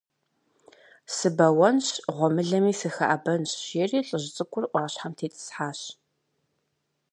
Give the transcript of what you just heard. Сыбэуэнщ, гъуэмылэми сыхэӀэбэнщ, - жери лӀыжь цӀыкӀур Ӏуащхьэм тетӀысхьащ.